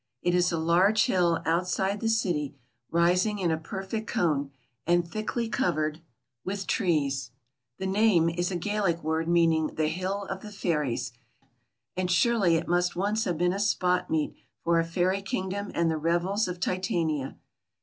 It is a large hill outside the city, rising in a perfect cone, and thickly covered with trees. The name is a Gaelic word meaning 'the hill of the fairies,' and surely it must once have been a spot meet for a fairy kingdom and the revels of Titania.